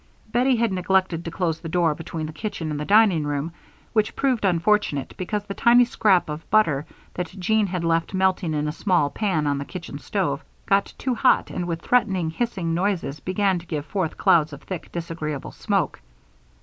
Bettie had neglected to close the door between the kitchen and the dining room, which proved unfortunate, because the tiny scrap of butter that Jean had left melting in a very small pan on the kitchen stove, got too hot and with threatening, hissing noises began to give forth clouds of thick, disagreeable smoke.